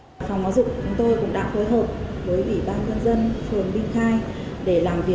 phòng hóa dụng của chúng tôi cũng đã hối hợp với vị bang thân dân phường binh khai